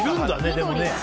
でもね。